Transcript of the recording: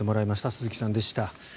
鈴木さんでした。